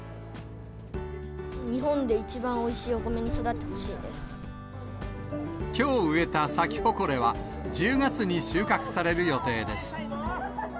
日本で一番おいしいお米に育きょう植えたサキホコレは、１０月に収穫される予定です。